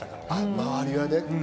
周りはね。